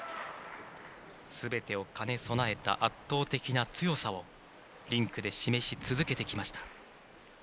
すべてを兼ね備えた圧倒的な強さをリンクで示し続けてきました。